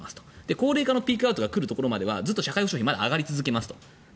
高齢化のピークアウトが来るところまではずっと社会報償費まだ上がり続けます。